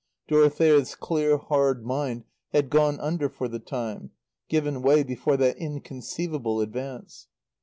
Dorothea's clear, hard mind had gone under for the time, given way before that inconceivable advance.